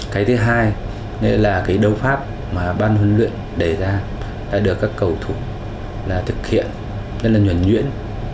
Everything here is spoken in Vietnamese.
cái thứ hai là cái đấu pháp mà ban huấn luyện đề ra đã được các cầu thủ là thực hiện rất là nhuẩn nhuyễn